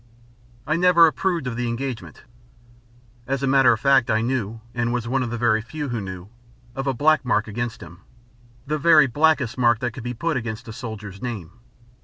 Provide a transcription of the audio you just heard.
I never approved of the engagement. As a matter of fact, I knew and was one of the very few who knew of a black mark against him the very blackest mark that could be put against a soldier's name.